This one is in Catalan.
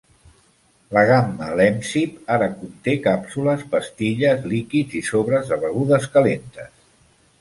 La gamma Lemsip ara conté càpsules, pastilles, líquids i sobres de begudes calentes.